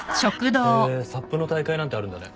へぇサップの大会なんてあるんだね。